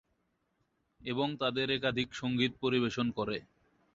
এবং তাদের একাধিক সংগীত পরিবেশন করে।